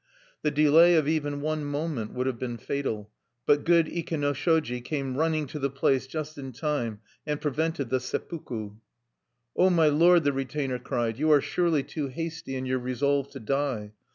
The delay of even one moment would have been fatal; but good Ikenoshoji came running to the place just in time, and prevented the seppuku(2). "Oh, my lord!" the retainer cried, "you are surely too hasty in your resolve to die.